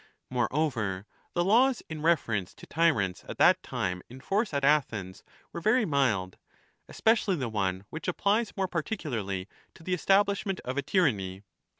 Moreover, the laws in reference to tyrants at that time in force at Athens were very mild, especially the one which applies more particularly to the establishment of a tyranny.